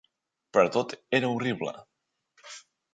Però tot era horrible.